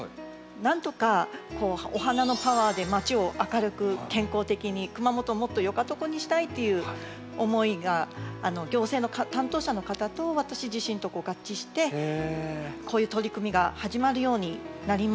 なんとかお花のパワーでまちを明るく健康的に熊本をもっとよかとこにしたいっていう思いが行政の担当者の方と私自身と合致してこういう取り組みが始まるようになりました。